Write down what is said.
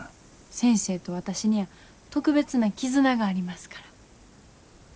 先生と私には特別な絆がありますから。